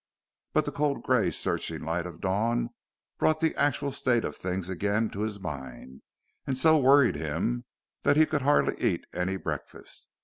But the cold grey searching light of dawn brought the actual state of things again to his mind and so worried him that he could hardly eat any breakfast.